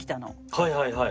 はいはいはい。